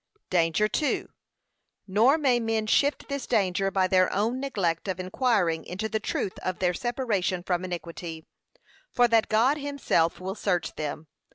Danger 2. Nor may men shift this danger by their own neglect of inquiring into the truth of their separation from iniquity, for that God himself will search them.